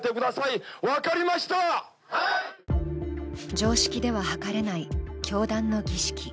常識でははかれない教団の儀式。